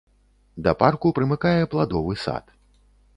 Да парку прымыкае пладовы сад.